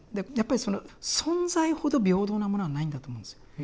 やっぱりその存在ほど平等なものはないんだと思うんですよ。